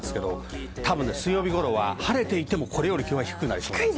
多分、水曜日頃は晴れていても、これより今日は低くなりそうです。